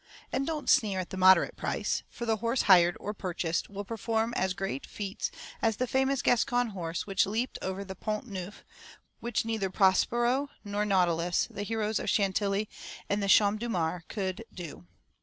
And don't sneer at the moderate price, for the horse hired or purchased will perform as great feats as the famous Gascon horse which leaped over the Pont Neuf, which neither Prospero nor Nautilus, the heroes of Chantilly and the Champ de Mars could do.